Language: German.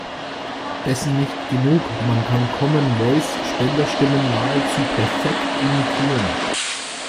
Dessen nicht genug: Man kann Common Voice Spenderstimmen nahezu perfekt imitieren.